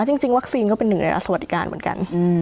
จริงวัคซีนก็เป็นหนึ่งในสวัสดิการเหมือนกัน